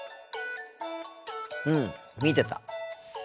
うん見てた。